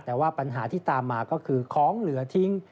แต่ว่าปัญหาที่ตามมาก็คือของเหลือทิ้ง